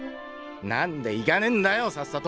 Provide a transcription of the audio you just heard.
なんで行かねえんだよさっさと！